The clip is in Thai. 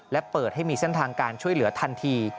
และเปิดให้มีเส้นทางการช่วยเหลือทันที